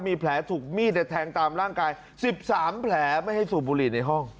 มีแผลถูกมีดแทงตามร่างกาย๑๓แผลไม่ให้สูบบุหรี่ในห้อง